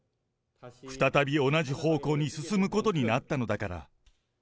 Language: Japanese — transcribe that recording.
再び同じ方向に進むことになったのだから。